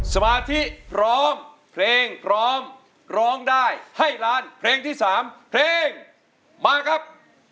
สมาธิพร้อมเพลงพร้อมร้องได้ให้ล้านเพลงที่๓เพลงมาครับ